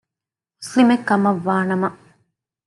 މުސްލިމެއްކަމަށްވާ ނަމަ